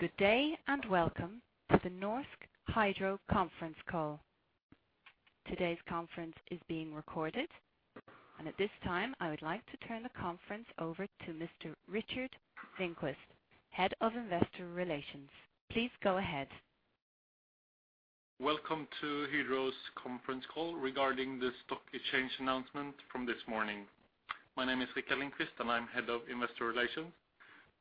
Good day and welcome to the Norsk Hydro conference call. Today's conference is being recorded, and at this time, I would like to turn the conference over to Mr. Rikard Lindqvist, Head of Investor Relations. Please go ahead. Welcome to Hydro's conference call regarding the stock exchange announcement from this morning. My name is Rikard Lindqvist, and I'm Head of Investor Relations.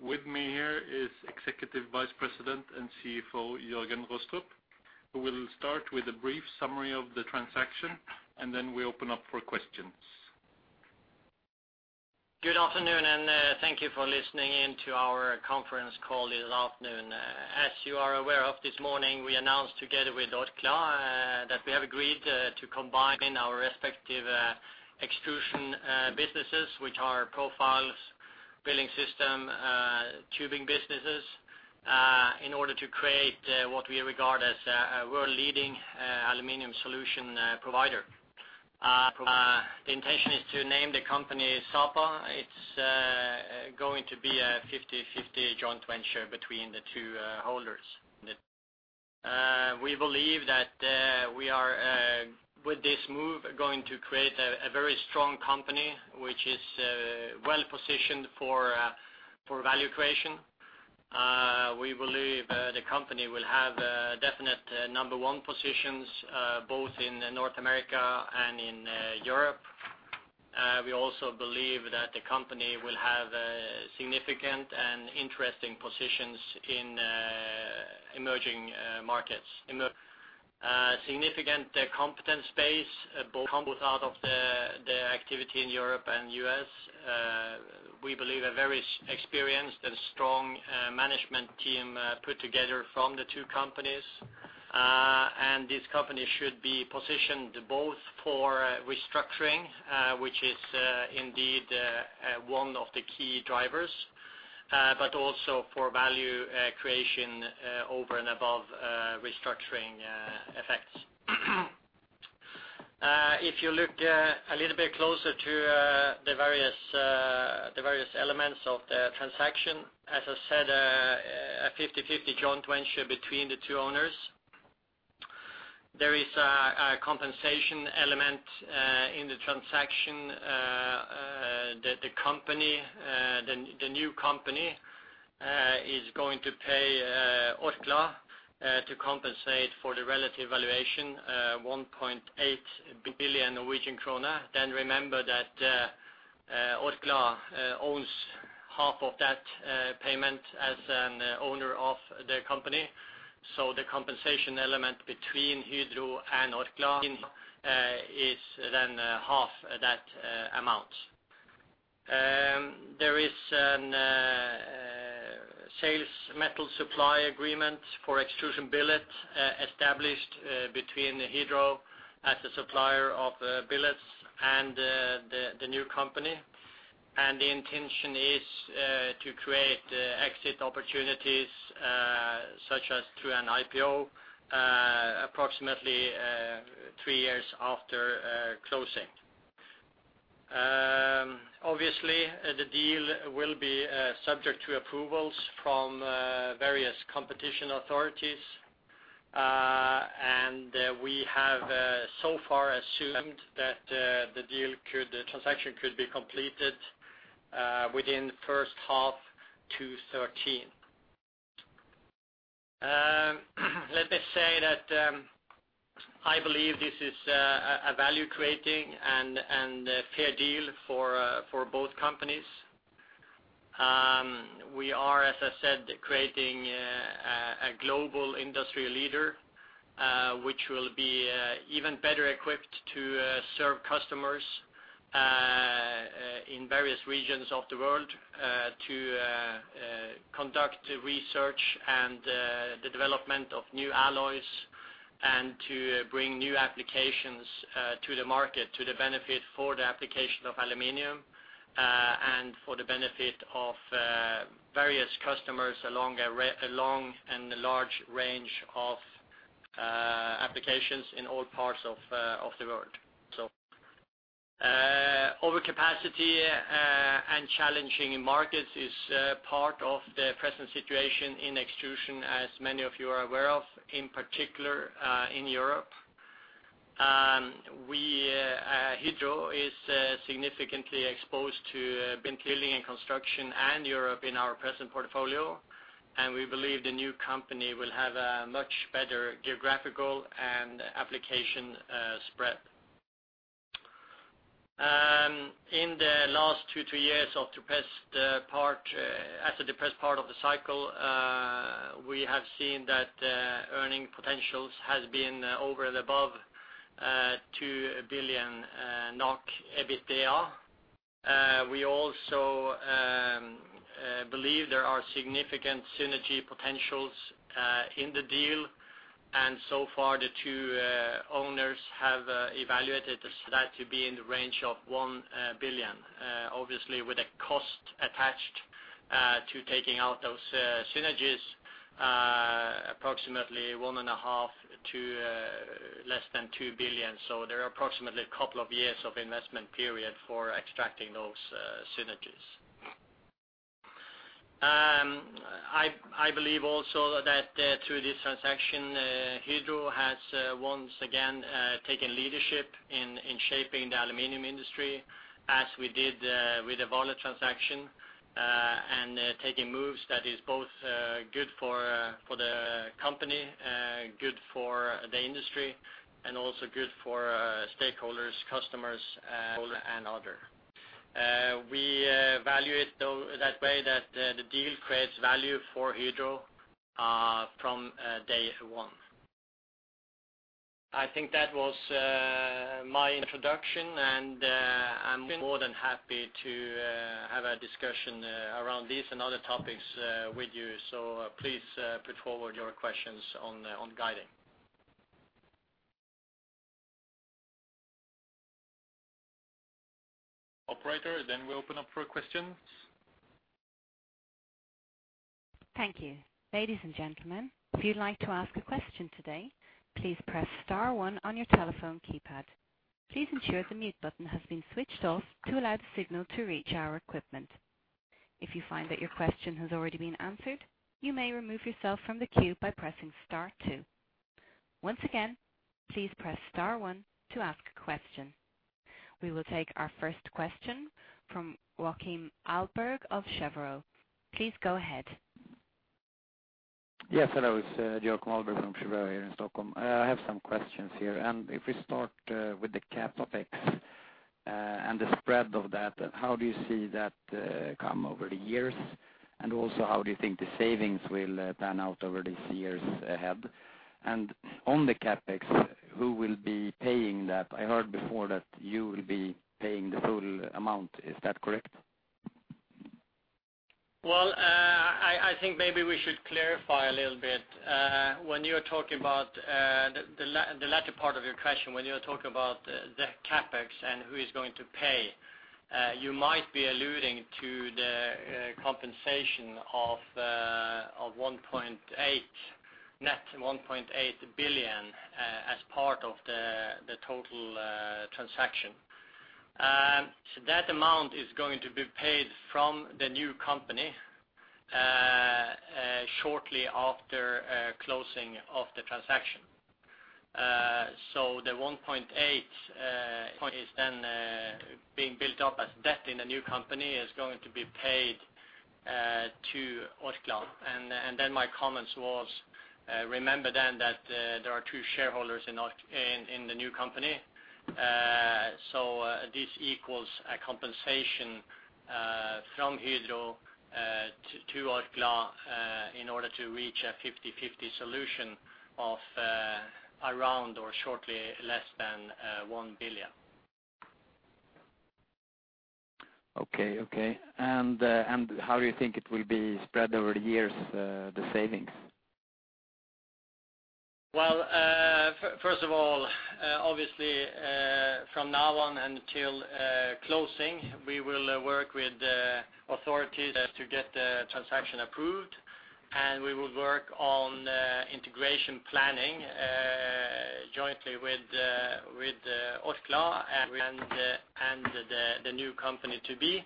With me here is Executive Vice President and CFO, Jørgen Rostrup, who will start with a brief summary of the transaction, and then we open up for questions. Good afternoon, and thank you for listening in to our conference call this afternoon. As you are aware of this morning, we announced together with Orkla that we have agreed to combine our respective extrusion businesses, which are Profiles, Building Systems, Tubing businesses, in order to create what we regard as a world-leading aluminum solution provider. The intention is to name the company Sapa. It's going to be a 50/50 joint venture between the two holders. We believe that we are with this move going to create a very strong company, which is well-positioned for value creation. We believe the company will have definite number one positions both in North America and in Europe. We also believe that the company will have significant and interesting positions in emerging markets. Significant competence base, both out of the activity in Europe and U.S. We believe a very experienced and strong management team put together from the two companies. This company should be positioned both for restructuring, which is indeed one of the key drivers, but also for value creation over and above restructuring effects. If you look a little bit closer to the various elements of the transaction, as I said, a 50/50 joint venture between the two owners. There is a compensation element in the transaction that the new company is going to pay Orkla to compensate for the relative valuation, 1.8 billion Norwegian krone. Remember that Orkla owns half of that payment as an owner of the company. The compensation element between Hydro and Orkla is then half that amount. There is a sales and metal supply agreement for extrusion billet established between Hydro as a supplier of billets and the new company. The intention is to create exit opportunities such as through an IPO approximately three years after closing. Obviously the deal will be subject to approvals from various competition authorities. We have so far assumed that the transaction could be completed within the first half 2013. Let me say that I believe this is a value-creating and a fair deal for both companies. We are, as I said, creating a global industry leader which will be even better equipped to serve customers in various regions of the world to conduct research and the development of new alloys and to bring new applications to the market, to the benefit for the application of aluminum and for the benefit of various customers along a long and large range of applications in all parts of the world. Overcapacity and challenging markets is part of the present situation in extrusion, as many of you are aware of, in particular in Europe. Hydro is significantly exposed to building and construction in Europe in our present portfolio, and we believe the new company will have a much better geographical and application spread. In the last two years of the depressed part of the cycle, we have seen that earnings potential has been over and above 2 billion NOK EBITDA. We also believe there are significant synergy potential in the deal, and so far the two owners have evaluated that to be in the range of 1 billion. Obviously with a cost attached to taking out those synergies, approximately 1.5 billion-2 billion. There are approximately a couple of years of investment period for extracting those synergies. I believe also that through this transaction Hydro has once again taken leadership in shaping the aluminum industry as we did with the Vale transaction and taking moves that is both good for the company, good for the industry, and also good for stakeholders, customers, and other. We value it though that way that the deal creates value for Hydro from day one. I think that was my introduction, and I'm more than happy to have a discussion around this and other topics with you. Please, put forward your questions on guidance. Operator, we'll open up for questions. Thank you. Ladies and gentlemen, if you'd like to ask a question today, please press star one on your telephone keypad. Please ensure the mute button has been switched off to allow the signal to reach our equipment. If you find that your question has already been answered, you may remove yourself from the queue by pressing star two. Once again, please press star one to ask a question. We will take our first question from Joakim Ahlberg of Cheuvreux. Please go ahead. Yes, hello. It's Joakim Ahlberg from Cheuvreux here in Stockholm. I have some questions here. If we start with the CapEx and the spread of that, how do you see that come over the years? Also, how do you think the savings will pan out over these years ahead? On the CapEx, who will be paying that? I heard before that you will be paying the full amount. Is that correct? Well, I think maybe we should clarify a little bit. When you're talking about the latter part of your question, when you're talking about the CapEx and who is going to pay, you might be alluding to the compensation of 1.8, net 1.8 billion as part of the total transaction. That amount is going to be paid from the new company shortly after closing of the transaction. The 1.8 point is then being built up as debt in the new company is going to be paid to Orkla. Then my comments was, remember then that there are two shareholders in the new company. This equals a compensation from Hydro to Orkla in order to reach a 50/50 solution of around or shortly less than NOK 1 billion. Okay, how do you think it will be spread over the years, the savings? Well, first of all, obviously, from now on until closing, we will work with the authorities to get the transaction approved, and we will work on integration planning jointly with Orkla and the new company to be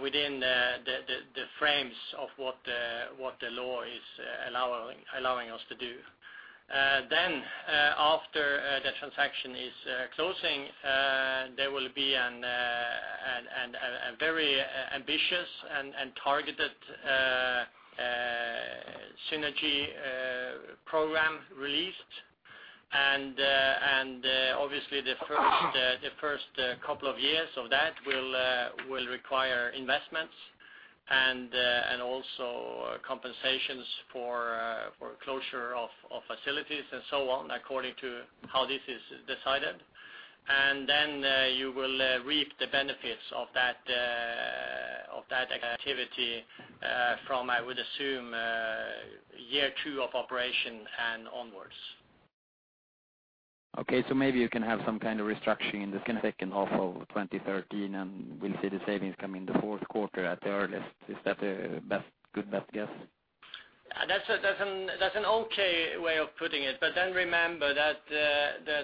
within the frames of what the law is allowing us to do. After the transaction is closing, there will be a very ambitious and targeted synergy program released. Obviously the first couple of years of that will require investments and also compensations for closure of facilities and so on, according to how this is decided. You will reap the benefits of that activity from, I would assume, year two of operation and onwards. Okay, maybe you can have some kind of restructuring in the second half of 2013, and we'll see the savings come in the fourth quarter at the earliest. Is that a best, good best guess? That's an okay way of putting it. Remember that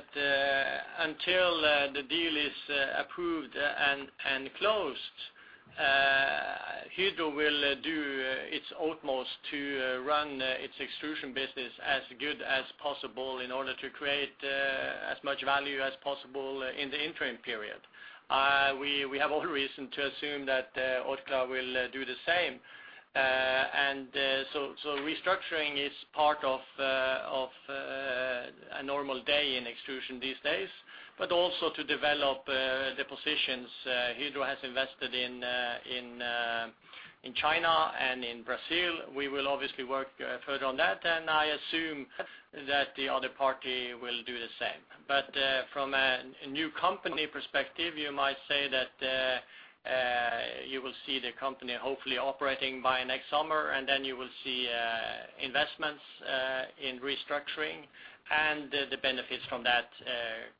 until the deal is approved and closed, Hydro will do its utmost to run its extrusion business as good as possible in order to create as much value as possible in the interim period. We have all reason to assume that Orkla will do the same. Restructuring is part of a normal day in extrusion these days, but also to develop the positions Hydro has invested in in China and in Brazil. We will obviously work further on that, and I assume that the other party will do the same. From a new company perspective, you might say that you will see the company hopefully operating by next summer, and then you will see investments in restructuring and the benefits from that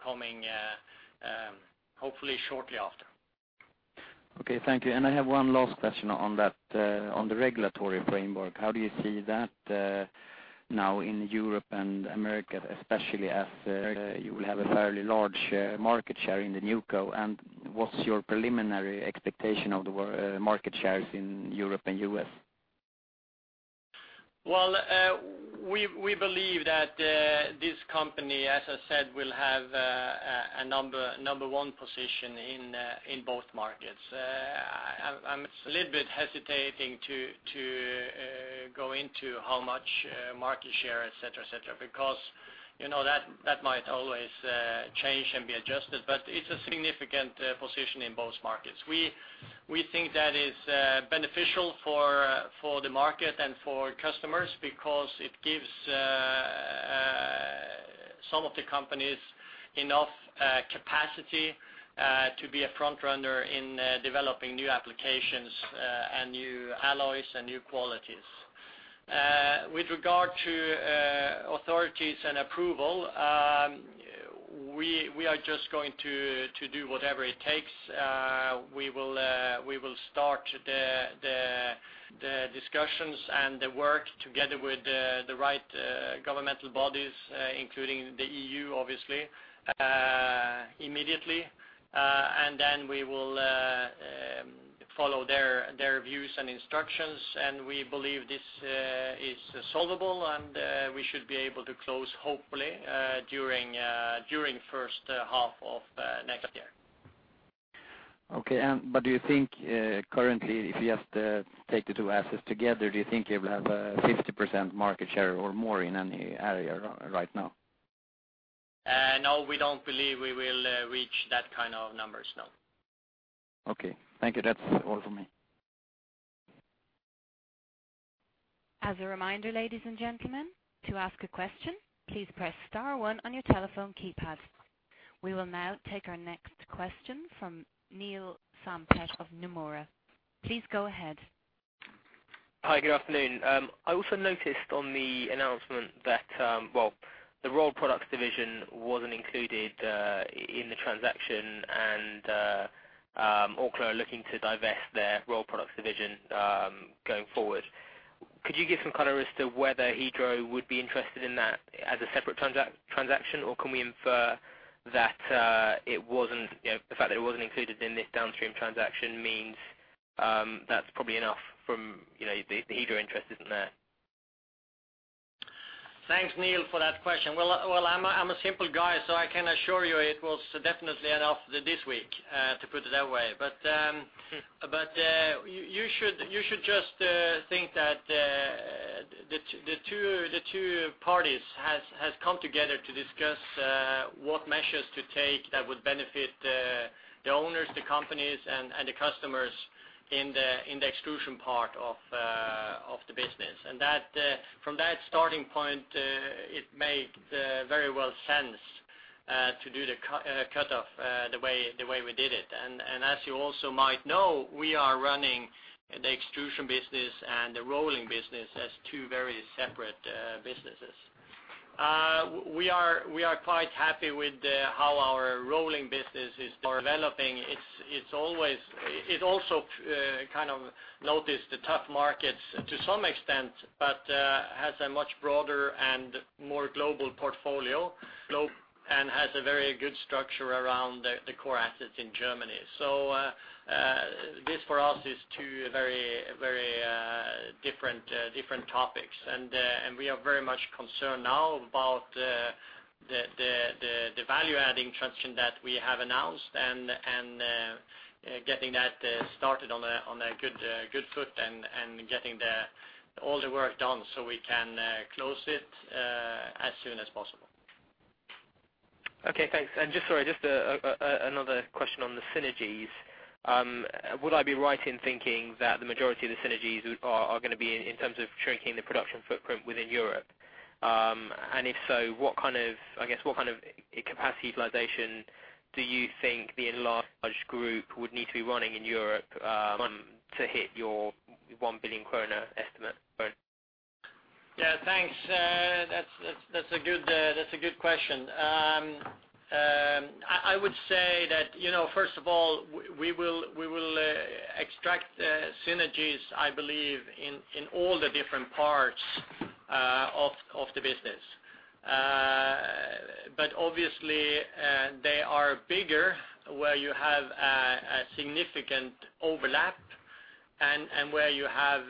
coming hopefully shortly after. Okay, thank you. I have one last question on that, on the regulatory framework. How do you see that now in Europe and America, especially as you will have a fairly large market share in the NewCo? What's your preliminary expectation of the market shares in Europe and U.S.? Well, we believe that this company, as I said, will have a number one position in both markets. I'm a little bit hesitating to go into how much market share, et cetera, because, you know, that might always change and be adjusted, but it's a significant position in both markets. We think that is beneficial for the market and for customers because it gives some of the companies enough capacity to be a front runner in developing new applications and new alloys and new qualities. With regard to authorities and approval, we are just going to do whatever it takes. We will start the discussions and the work together with the right governmental bodies, including the E.U., obviously, immediately. We will follow their views and instructions, and we believe this is solvable and we should be able to close hopefully during first half of next year. Do you think currently, if you have to take the two assets together, do you think you will have a 50% market share or more in any area right now? No, we don't believe we will reach that kind of numbers. No. Okay. Thank you. That's all for me. As a reminder, ladies and gentlemen, to ask a question, please press star one on your telephone keypad. We will now take our next question from Neil Sampat of Nomura. Please go ahead. Hi. Good afternoon. I also noticed on the announcement that, well, the Rolled Products division wasn't included in the transaction and Orkla are looking to divest their Rolled Products division going forward. Could you give some color as to whether Hydro would be interested in that as a separate transaction, or can we infer that it wasn't, you know, the fact that it wasn't included in this downstream transaction means that's probably enough from, you know, the Hydro interest isn't there? Thanks, Neil, for that question. Well, I'm a simple guy, so I can assure you it was definitely enough this week to put it that way. You should just think that the two parties has come together to discuss what measures to take that would benefit the owners, the companies and the customers in the extrusion part of the business. That from that starting point it made very well sense to do the cut off the way we did it. As you also might know, we are running the extrusion business and the rolling business as two very separate businesses. We are quite happy with how our Rolled Products business is developing. It's always kind of noticed the tough markets to some extent, but has a much broader and more global portfolio and has a very good structure around the core assets in Germany. This for us is two very different topics. We are very much concerned now about the value-adding transaction that we have announced and getting that started on a good foot and getting all the work done so we can close it as soon as possible. Okay, thanks. Sorry, just another question on the synergies. Would I be right in thinking that the majority of the synergies are gonna be in terms of shrinking the production footprint within Europe? If so, what kind of capacity utilization do you think the enlarged group would need to be running in Europe to hit your 1 billion kroner estimate? Yeah, thanks. That's a good question. I would say that, you know, first of all, we will extract synergies, I believe, in all the different parts of the business. Obviously, they are bigger where you have a significant overlap and where you have,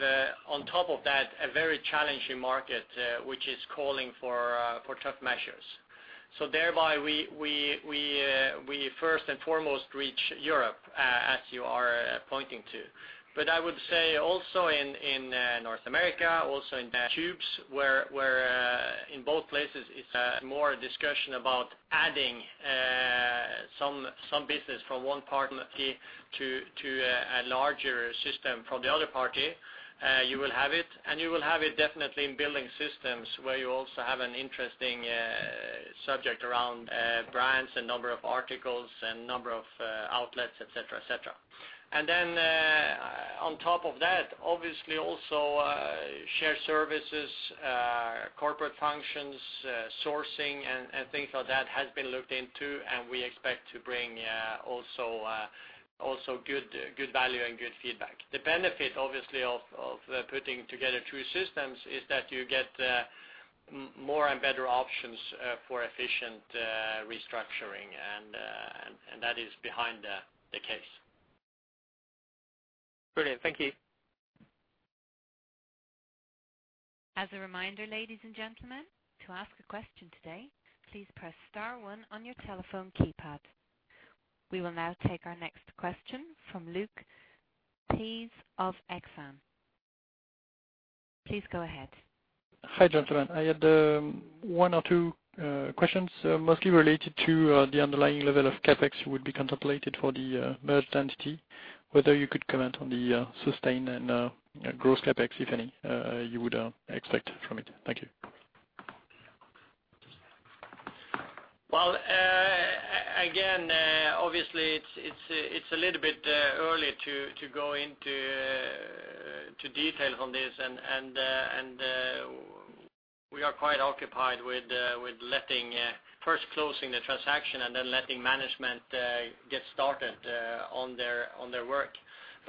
on top of that, a very challenging market, which is calling for tough measures. Thereby, we first and foremost reach Europe, as you are pointing to. I would say also in North America, also in Tubes, where in both places it's more a discussion about adding some business from one partner to a larger system from the other party. You will have it, and you will have it definitely in Building Systems, where you also have an interesting subject around brands and number of articles and number of outlets, et cetera, et cetera. On top of that, obviously also shared services, corporate functions, sourcing and things like that has been looked into, and we expect to bring also good value and good feedback. The benefit obviously of putting together two systems is that you get more and better options for efficient restructuring and that is behind the case. Brilliant. Thank you. As a reminder, ladies and gentlemen, to ask a question today, please press star one on your telephone keypad. We will now take our next question from Luc Pez of Exane. Please go ahead. Hi, gentlemen. I had one or two questions mostly related to the underlying level of CapEx would be contemplated for the merged entity. Whether you could comment on the sustained and gross CapEx, if any, you would expect from it. Thank you. Well, again, obviously it's a little bit early to go into detail on this. We are quite occupied with letting first closing the transaction and then letting management get started on their work.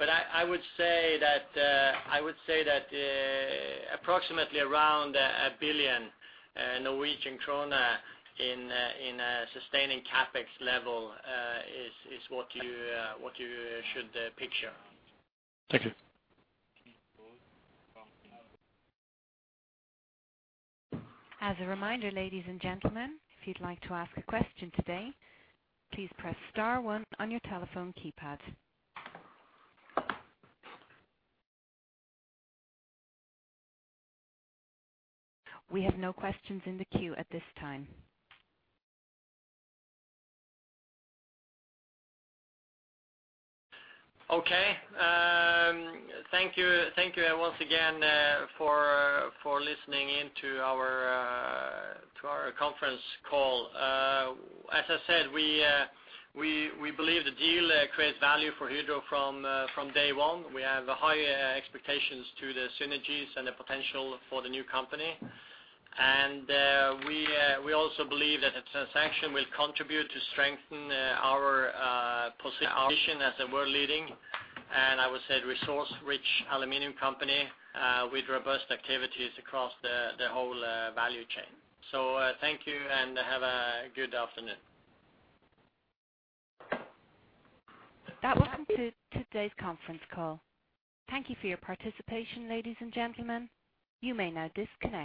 I would say that approximately around 1 billion Norwegian krone in sustaining CapEx level is what you should picture. Thank you. As a reminder, ladies and gentlemen, if you'd like to ask a question today, please press star one on your telephone keypad. We have no questions in the queue at this time. Okay. Thank you. Thank you once again for listening in to our conference call. As I said, we believe the deal creates value for Hydro from day one. We have high expectations to the synergies and the potential for the new company. We also believe that the transaction will contribute to strengthen our position as a world-leading, and I would say resource-rich aluminum company with robust activities across the whole value chain. Thank you and have a good afternoon. That concludes today's conference call. Thank you for your participation, ladies and gentlemen. You may now disconnect.